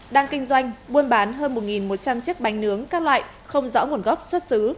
đang kinh doanh buôn bán hơn một một trăm linh chiếc bánh nướng các loại không rõ nguồn gốc xuất xứ